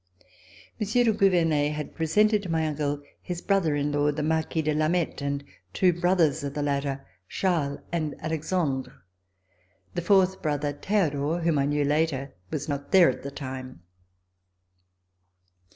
Monsieur de Gouvernet had presented to my uncle his brother in law, the Marquis de Lameth, and two brothers of the latter, Charles and Alexandre. The fourth brother, Theodore, whom I knew later, was not there at the time.